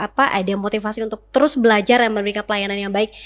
lalu asn yang ada motivasi untuk terus belajar dan memberikan pelayanan yang baik